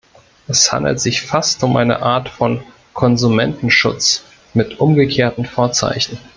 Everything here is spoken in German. Es handelt sich fast um eine Art von Konsumentenschutz mit umgekehrten Vorzeichen.